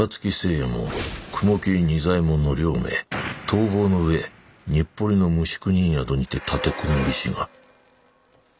右衛門雲霧仁左衛門の両名逃亡の上日暮里の無宿人宿にて立て籠もりしが」。